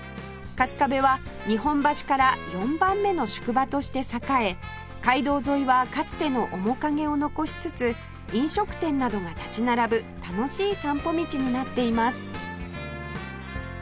春日部は日本橋から４番目の宿場として栄え街道沿いはかつての面影を残しつつ飲食店などが立ち並ぶ楽しい散歩道になっています